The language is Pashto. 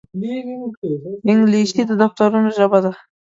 انګلیسي د دفترونو ژبه ده